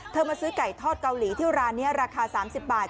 มาซื้อไก่ทอดเกาหลีที่ร้านนี้ราคา๓๐บาท